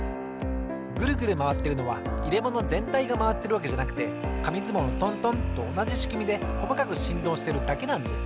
グルグルまわってるのはいれものぜんたいがまわってるわけじゃなくてかみずもうのトントンとおなじしくみでこまかくしんどうしてるだけなんです。